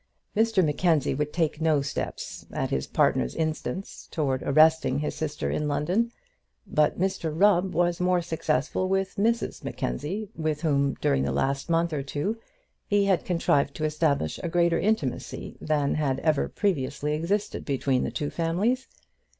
Mr Mackenzie would take no steps, at his partner's instance, towards arresting his sister in London; but Mr Rubb was more successful with Mrs Mackenzie, with whom, during the last month or two, he had contrived to establish a greater intimacy than had ever previously existed between the two families.